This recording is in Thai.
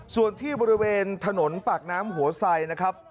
ส่วนที่บริเวณถนนปากน้ำหัวไสนะครับ